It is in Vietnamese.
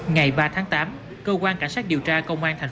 ngày ba tháng tám cơ quan cảnh sát điều tra công an tp hcm